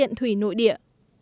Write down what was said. tiện thủy nội địa